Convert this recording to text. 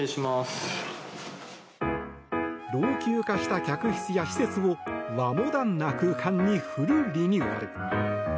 老朽化した客室や施設を和モダンな空間にフルリニューアル。